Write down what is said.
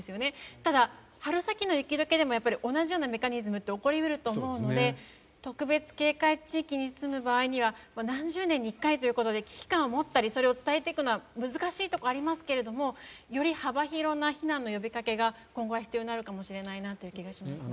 ただ、春先の雪解けでも同じようなメカニズムって起こり得ると思うので特別警戒区域に住む場合には何十年に１回ということで危機感を持ったりそれを伝えていくのは難しいところがありますがより幅広な避難の呼びかけが今後は必要になるかもしれないなという気がしますね。